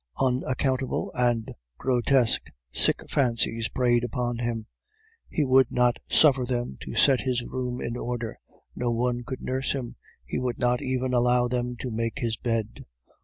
Unaccountable and grotesque sick fancies preyed upon him; he would not suffer them to set his room in order, no one could nurse him, he would not even allow them to make his bed.